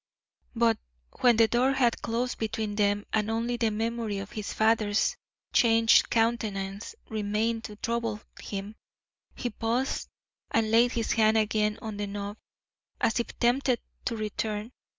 But when the door had closed between them and only the memory of his father's changed countenance remained to trouble him, he paused and laid his hand again on the knob, as if tempted to return.